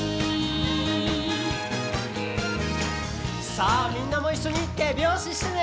さあみんなもいっしょにてびょうししてね！